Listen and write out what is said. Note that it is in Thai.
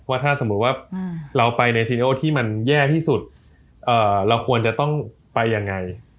ถ้าสมมุติว่าเราไปในซีโนที่มันแย่ที่สุดเราควรจะต้องไปยังไง